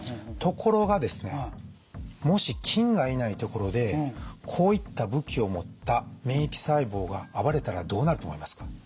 ところがですねもし菌がいない所でこういった武器を持った免疫細胞が暴れたらどうなると思いますか？